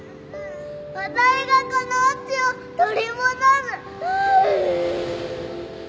私がこのうちを取り戻す！